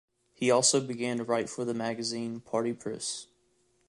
He also began to write for the magazine "Parti pris".